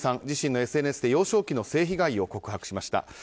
自身のＳＮＳで幼少期の性被害を告白しました。